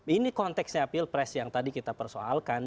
ini konteksnya pilpres yang tadi kita persoalkan